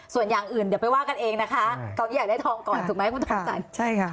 ส่วนอย่างอื่นเดี๋ยวไปว่ากันเองนะคะตอนนี้อยากได้ทองก่อนถูกไหมคุณทอมจันทร์ใช่ค่ะ